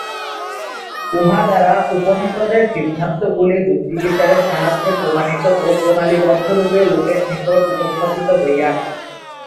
উহা দ্বারা উপনিষদের সিদ্ধান্তগুলি যুক্তিবিচারের সাহায্যে প্রমাণিত ও প্রণালীবদ্ধরূপে লোকের নিকট উপস্থাপিত হইয়াছে।